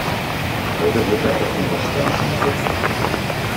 Heute wird er auf den Waschbären angesetzt.